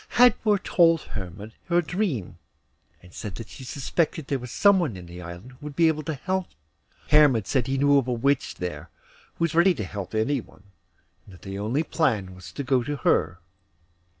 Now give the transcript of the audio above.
Hadvor told Hermod her dream, and said she suspected there was some one in the island who would be able to help them. Hermod said he knew of a Witch there, who was very ready to help anyone, and that the only plan was to go to her.